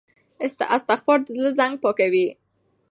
استغفار د زړه زنګ پاکوي.